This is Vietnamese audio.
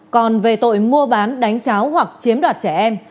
còn về tội mua bán đánh cháo hoặc chiếm đoạt trẻ em